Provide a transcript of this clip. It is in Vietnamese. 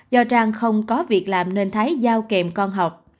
do trang không có việc làm nên thái dao kèm con học